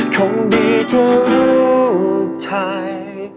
คงดีกว่ารูปไทย